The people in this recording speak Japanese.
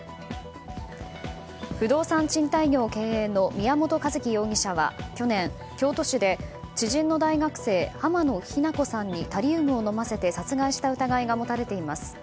不動産賃貸業経営の宮本一希容疑者は去年、京都市で知人の大学生濱野日菜子さんにタリウムを飲ませて殺害した疑いが持たれています。